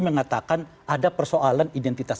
mengatakan ada persoalan identitas